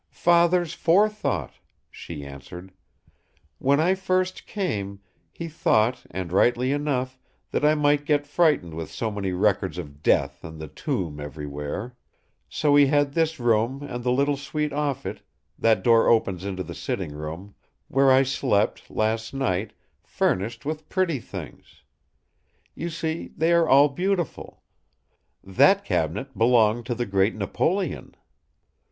"Father's forethought!" she answered. "When I first came, he thought, and rightly enough, that I might get frightened with so many records of death and the tomb everywhere. So he had this room and the little suite off it—that door opens into the sitting room—where I slept last night, furnished with pretty things. You see, they are all beautiful. That cabinet belonged to the great Napoleon."